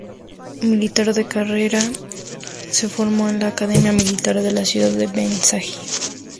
Militar de carrera, se formó en la academia militar de la ciudad de Bengasi.